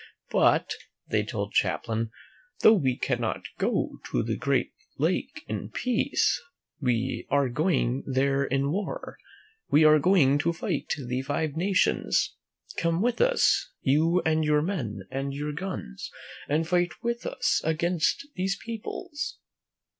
" But," they told Champlain, "though we cannot go to the great lake in peace, we are going there in war. We are going to fight the Five Nations. Come with us, you and your men and your guns, and fight with us against these peoples."